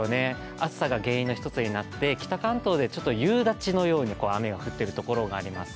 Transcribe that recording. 暑さが原因の１つになって北関東で夕立のように雨が降っているところがあります